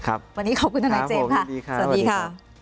วันนี้ขอบคุณทนายเจมส์ค่ะสวัสดีค่ะ